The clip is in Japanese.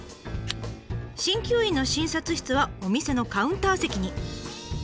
鍼灸院の診察室はお店のカウンター席に。